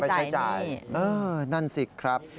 เออไปใช้จ่ายนั่นสิครับ